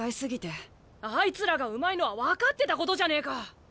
あいつらがうまいのは分かってたことじゃねえか。